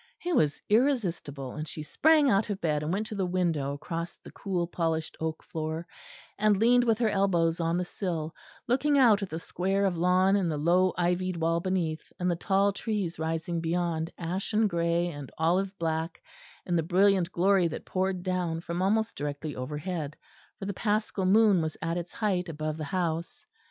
It was irresistible, and she sprang out of bed and went to the window across the cool polished oak floor, and leaned with her elbows on the sill, looking out at the square of lawn and the low ivied wall beneath, and the tall trees rising beyond ashen grey and olive black in the brilliant glory that poured down from almost directly overhead, for the Paschal moon was at its height above the house.